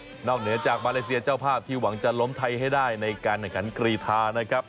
นอกเหนือเมื่อจากมาเลเซียเจ้าภาพที่หวังจะล้มไทยให้ได้ในการหังกันกีฑา